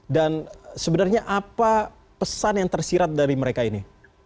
dan sebenarnya apa pesan yang tersirat dari mereka ini